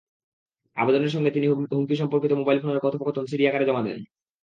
আবেদনের সঙ্গে তিনি হুমকি-সম্পর্কিত মোবাইল ফোনের কথোপকথন সিডি আকারে জমা দেন।